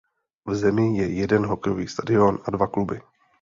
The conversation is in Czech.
V zemi je jeden hokejový stadion a dva kluby.